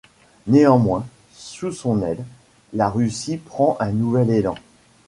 Néanmoins, sous son aile, la Russie prend un nouvel élan.